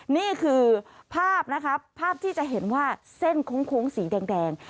นี่คือภาพนะครับภาพที่จะเห็นว่าเส้นโค้งสีแดง